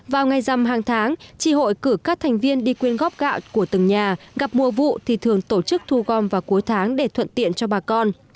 vào ngày dằm hàng tháng tri hội cử các thành viên đi quyên góp gạo của từng nhà gặp mùa vụ thì thường tổ chức thu gom vào cuối tháng để thuận tiện cho bà con